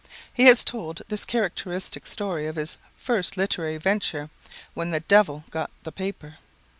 He has told this characteristic story of his first literary venture, when the "devil" got out the paper.